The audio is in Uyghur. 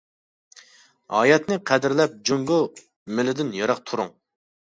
ھاياتنى قەدىرلەپ جۇڭگو مېلىدىن يىراق تۇرۇڭ.